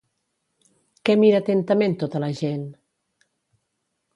Què mira atentament tota la gent?